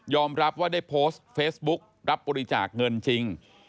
รับว่าได้โพสต์เฟซบุ๊กรับบริจาคเงินจริง